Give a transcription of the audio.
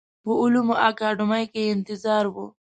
په علومو اکاډمۍ کې یې انتظار و.